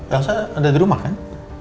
elsa ada di rumah kan